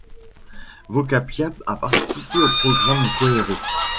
Vocapia a participé au programme Quaero.